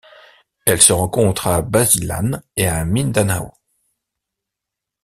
Elle se rencontre à Basilan et Mindanao.